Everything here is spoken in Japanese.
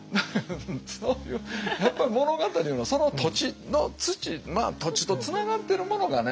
そういう物語のその土地の土土地とつながってるものがね